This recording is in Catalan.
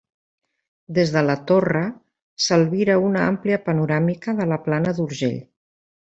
Des de la torre, s'albira una àmplia panoràmica de la plana d'Urgell.